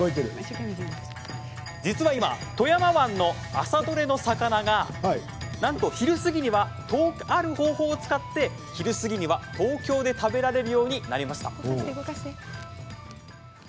実は今、富山湾の朝取れの魚がなんとある方法を使って昼過ぎには東京で食べられるようになりました。